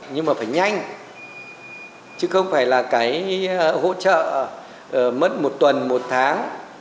nhưng mà phải nhanh chứ không phải là cái hỗ trợ mất một tuần một tháng